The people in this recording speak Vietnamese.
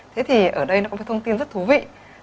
thế thì ở đây có một thông tin rất thú vị